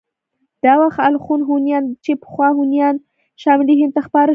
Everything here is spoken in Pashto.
دا وخت الخون هونيان چې پخوا هونيان شمالي هند ته خپاره شول.